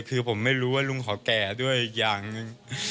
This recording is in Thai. คือผมไม่รู้ว่าลุงขอแก่ด้วยอย่างหนึ่ง